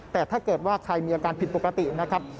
แต่ถ้าเกิดว่าใครมีอาการผิดปกตินะครับ